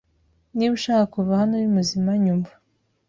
Niba ushaka kuva hano uri muzima, nyumva.